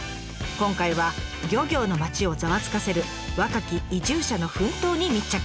今回は漁業の町をざわつかせる若き移住者の奮闘に密着！